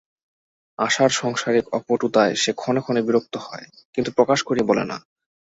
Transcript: আশার সাংসারিক অপটুতায় সে ক্ষণে ক্ষণে বিরক্ত হয়, কিন্তু প্রকাশ করিয়া বলে না।